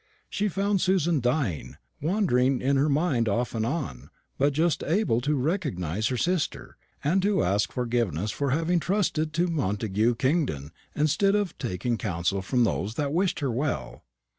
She found Susan dying, wandering in her mind off and on, but just able to recognise her sister, and to ask forgiveness for having trusted to Montagu Kingdon, instead of taking counsel from those that wished her well."